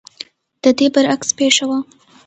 د دې برعکس پېښه وکړه.